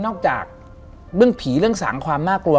จากเรื่องผีเรื่องสังความน่ากลัว